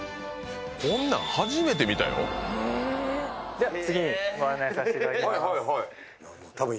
じゃあ次にご案内させていただきます。